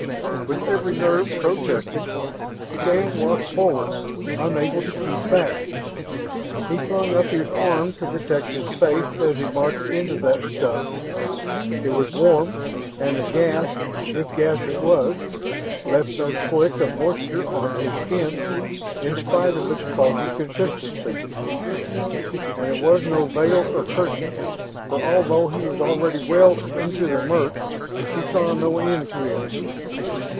With every nerve protesting, Shann walked forward, unable to keep back. He flung up his arm to protect his face as he marched into that stuff. It was warm, and the gas if gas it was left no slick of moisture on his skin in spite of its foggy consistency. And it was no veil or curtain, for although he was already well into the murk, he saw no end to it.